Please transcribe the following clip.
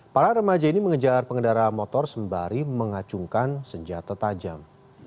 para remaja ini mengejar pengendara motor sembari mengacungkan senjata tajam